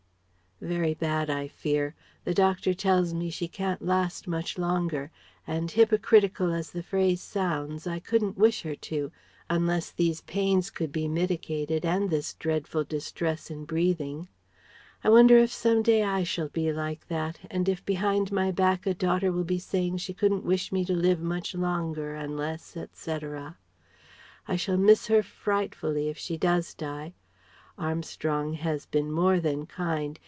"Very bad, I fear. The doctor tells me she can't last much longer, and hypocritical as the phrase sounds I couldn't wish her to, unless these pains can be mitigated, and this dreadful distress in breathing.... I wonder if some day I shall be like that, and if behind my back a daughter will be saying she couldn't wish me to live much longer, unless, etc. I shall miss her frightfully, if she does die.... Armstrong has been more than kind.